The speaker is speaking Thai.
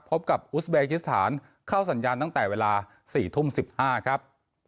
พบกับอุสเบกิสถานเข้าสัญญาณตั้งแต่เวลา๔ทุ่ม๑๕ครับ